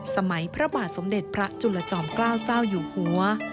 พระบาทสมเด็จพระจุลจอมเกล้าเจ้าอยู่หัว